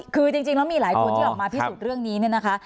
คือจริงแล้วมีหลายคนที่ออกมาพิสูจน์เรื่องนี้เนี่ยนะคะ